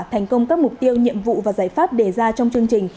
thành công các mục tiêu nhiệm vụ và giải pháp đề ra trong chương trình